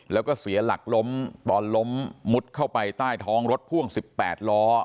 แล้วก็เสียหลักล้มตอนล้มมุดเข้าไปใต้ท้องรถพ่วง๑๘ล้อ